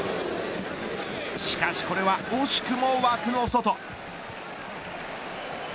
しかしこれは惜しくも枠の外。